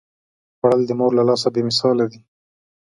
خوړل د مور له لاسه بې مثاله دي